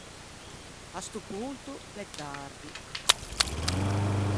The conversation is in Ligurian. À sto ponto l’é tardi.